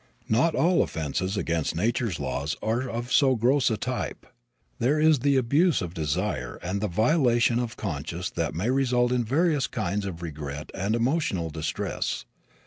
Not all offenses against nature's laws are of so gross a type. There is the abuse of desire and the violation of conscience that may result in various kinds of regret and emotional distress.